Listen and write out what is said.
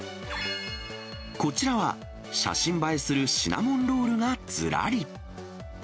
こちらは、写真映えするシナモンロールがずらり。